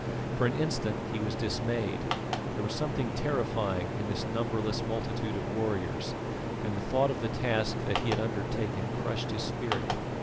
For an instant he was dismayed; there was something terrifying in this numberless multitude of warriors, and the thought of the task that he had undertaken crushed his spirit.